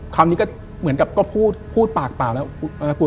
คำนี้เหมือนกับพูดปากป่าว